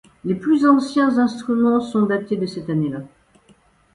Les plus anciens instruments sont datés de cette année-là.